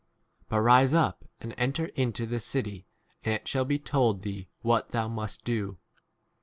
d 6 But rise up and enter into the city, and it shall be told thee what thou 7 must do.